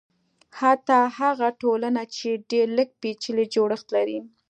حتی هغه ټولنې چې ډېر لږ پېچلی جوړښت لري.